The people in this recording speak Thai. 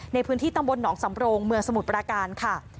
ในพื้นที่ตำบลหนองสำโรงเมืองสมุทรปราการค่ะ